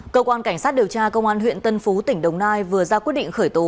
cơ quan cảnh sát điều tra công an huyện tân phú tỉnh đồng nai vừa ra quyết định khởi tố